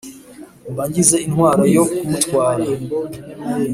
mba ngize intwaro yo kumutwara